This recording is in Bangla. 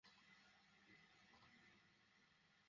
ফাঁদ থেকে ছুটতে হবে, আমি সাহায্য করছি।